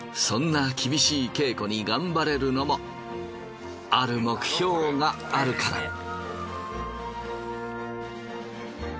そんな厳しい稽古に頑張れるのもある目標があるから。